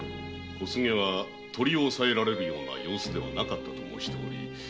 小菅は「取り押さえられる状況ではなかったと申しております。